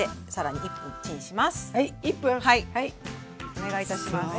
お願いいたします。